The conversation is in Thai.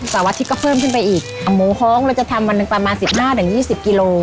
เสาร์วันอาทิตย์ก็เพิ่มขึ้นไปอีกหมูฮ้องเราจะทำวันหนึ่งประมาณ๑๕๒๐กิโล